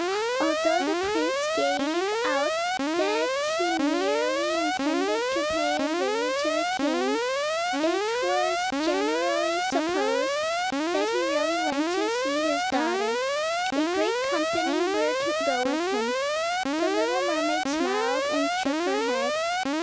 Although the prince gave out that he merely intended to pay a visit to the king, it was generally supposed that he really went to see his daughter. A great company were to go with him. The little mermaid smiled, and shook her head.